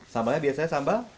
sambalnya biasanya sambal